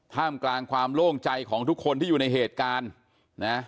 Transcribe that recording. ท่ามกลางความโล่งใจของทุกคนที่อยู่ในเหตุการณ์นะ